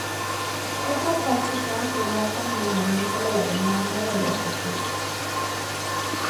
Otra táctica se basa en el manejo de la demanda de los recursos.